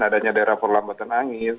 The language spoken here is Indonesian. adanya daerah perlambatan angin